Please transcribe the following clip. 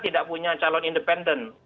tidak punya calon independen